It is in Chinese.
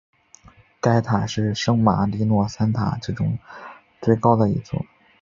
该塔是圣马利诺三塔之中最高的一座。